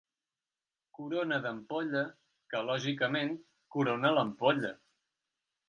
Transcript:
Corona d'ampolla que, lògicament, corona l'ampolla.